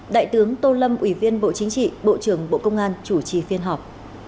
đại tướng tô lâm ủy viên bộ chính trị bộ trưởng bộ công an chủ trì phiên họp